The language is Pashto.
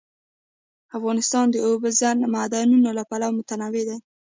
افغانستان د اوبزین معدنونه له پلوه متنوع دی.